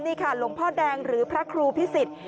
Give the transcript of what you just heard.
นี่ค่ะหลวงพ่อแดงหรือพระครูพิสิทธิ์